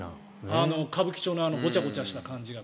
歌舞伎町のごちゃごちゃした感じが。